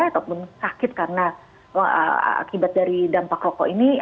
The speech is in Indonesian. ataupun sakit karena akibat dari dampak rokok ini